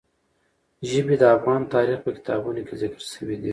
ژبې د افغان تاریخ په کتابونو کې ذکر شوی دي.